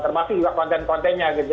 termasuk juga konten kontennya gitu